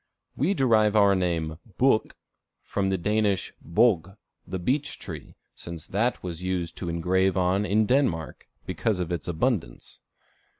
We derive our name book from the Danish bog, the beech tree, since that was used to engrave on in Denmark, because of its abundance.